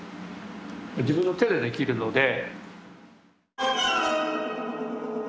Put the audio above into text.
自分の手でできるので。